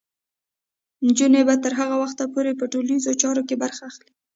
نجونې به تر هغه وخته پورې په ټولنیزو چارو کې برخه اخلي.